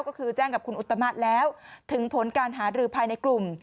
ก็คือแจ้งกับคุณอุตมะแล้วถึงผลการหารือภายในกลุ่ม